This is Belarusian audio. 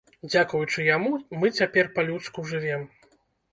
Дзякуючы яму мы цяпер па-людску жывём.